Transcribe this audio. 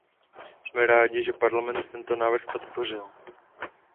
Jsme rádi, že parlament tento návrh podpořil.